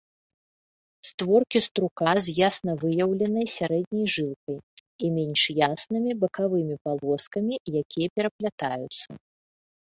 Створкі струка з ясна выяўленай сярэдняй жылкай і менш яснымі бакавымі палоскамі, якія пераплятаюцца.